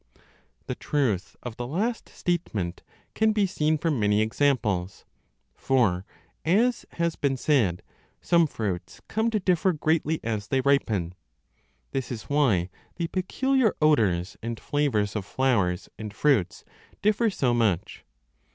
The truth of the last statement can be seen from many examples ; for, as has been said, some fruits come to differ greatly as they ripen. This is 20 why the peculiar odours and flavours of flowers and fruits differ so much.